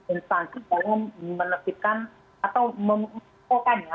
instansi untuk menempelkan atau mengusokkan ya